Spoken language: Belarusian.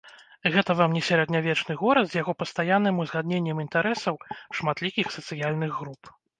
Гэта вам не сярэднявечны горад з яго пастаянным узгадненнем інтарэсаў шматлікіх сацыяльных груп.